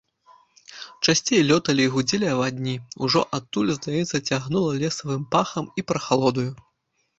Часцей лёталі і гудзелі авадні, ужо адтуль, здаецца, цягнула лесавым пахам і прахалодаю.